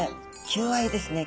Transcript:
求愛ですね。